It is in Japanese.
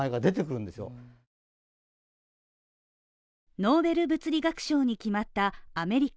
ノーベル物理学賞に決まったアメリカ・